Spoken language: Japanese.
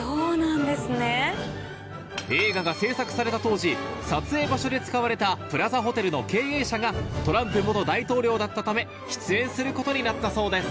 映画が製作された当時撮影場所で使われたプラザホテルの経営者がトランプ大統領だったため出演することになったそうです